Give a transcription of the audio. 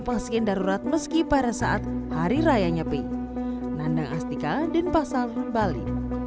pasien darurat meski pada saat hari raya nyepi nandang astika dan pasar bali